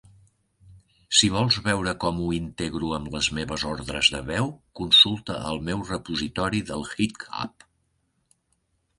Si vols veure com ho integro amb les meves ordres de veu, consulta el meu repositori del GitHub.